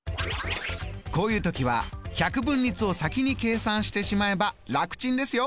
こういう時は百分率を先に計算してしまえば楽ちんですよ。